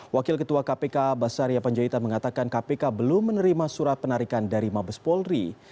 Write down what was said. wakil ketua kpk basaria panjaitan mengatakan kpk belum menerima surat penarikan dari mabes polri